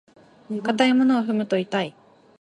硬いものを踏むと痛い。